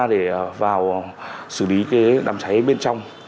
để vào xử lý cái đám cháy bên trong